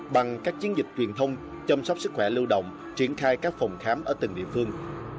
bằng các chiến dịch truyền thông chăm sóc sức khỏe lưu động triển khai các phòng khám ở từng địa phương